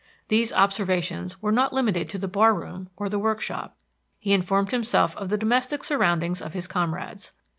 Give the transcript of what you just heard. These observations were not limited to the bar room or the workshop; he informed himself of the domestic surroundings of his comrades.